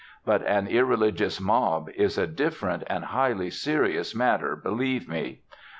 But an irreligious mob is a different and highly serious matter, believe me.